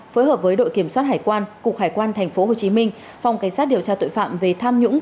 phối hợp với đội kiểm soát hải quan cục hải quan tp hcm phòng cảnh sát điều tra tội phạm về tham nhũng